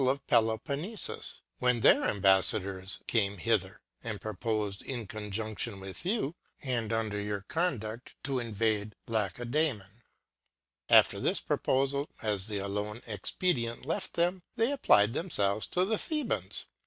I. F 34 ORATIONSOF their Ambaffadors came hither, and propofed, in Conjundion with you, and under your Conduil, to invade Laceda^mon. After this Propofal, as the alone Expedient left tiiem, they ap plied thcmfelves to the Thebans.